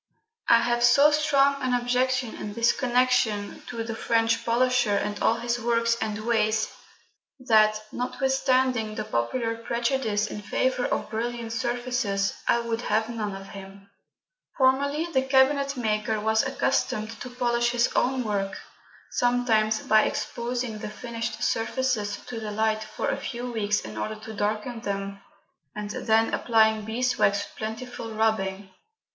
I have so strong an objection in this connection to the French polisher and all his works and ways, that, notwithstanding the popular prejudice in favour of brilliant surfaces, I would have none of him. Formerly the cabinetmaker was accustomed to polish his own work, sometimes by exposing the finished surfaces to the light for a few weeks in order to darken them, and then applying beeswax with plentiful rubbing.